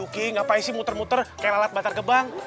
kayak alat batar kebang